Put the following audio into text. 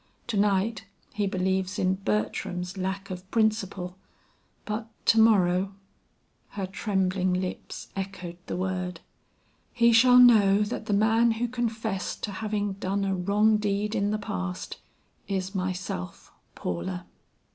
To night he believes in Bertram's lack of principle, but to morrow " Her trembling lips echoed the word. "He shall know that the man who confessed to having done a wrong deed in the past, is myself, Paula."